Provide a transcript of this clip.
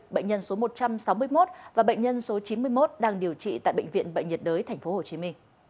bệnh nhân số một trăm sáu mươi một và bệnh nhân số chín mươi một đang điều trị tại bệnh viện bệnh nhiệt đới tp hcm